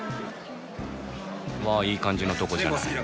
わあいい感じのとこじゃない。